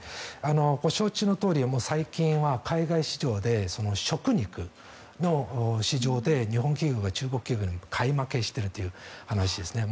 ご承知のとおり最近は海外市場で食肉の市場で日本企業が中国企業に買い負けしているという話ですね。